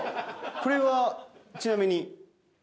これはちなみに？